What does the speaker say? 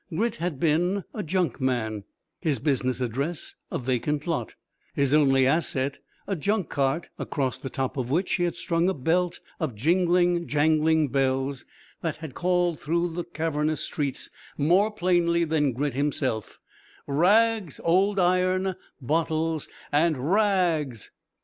Grit had been a junkman; his business address a vacant lot; his only asset a junk cart across the top of which he had strung a belt of jingling, jangling bells that had called through the cavernous streets more plainly than Grit himself: "Rags, old iron, bottles, and ra ags."